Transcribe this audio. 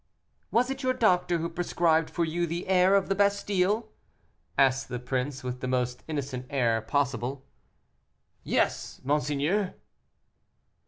"Was it your doctor who prescribed for you the air of the Bastile?" asked the prince, with the most innocent air possible. "Yes, monseigneur."